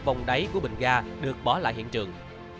vòng đáy của bình ga được bỏ lại hiện trường